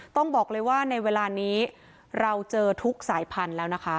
ต้องบอกเลยว่าในเวลานี้เราเจอทุกสายพันธุ์แล้วนะคะ